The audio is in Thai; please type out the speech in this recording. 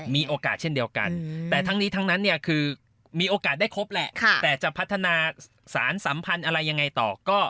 มีโอกาสเช่นเดียวกันแต่ทั้งนี้ทั้งนั้นเนี่ยคือมีโอกาสได้ครบแหละแต่จะพัฒนาสารสัมพันธ์อะไรยังไงต่อก็